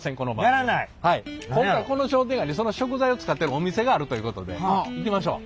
今回この商店街にその食材を使ってるお店があるということで行きましょう。